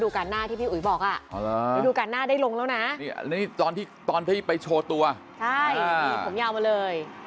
ของผมยาวมาเลย